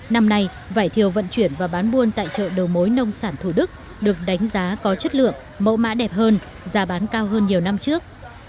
năm nay vải thiều vận chuyển và bán buôn tại chợ đầu mối nông sản thủ đức được đánh giá có chất lượng mẫu mã đẹp hơn giá bán cao hơn nhiều năm trước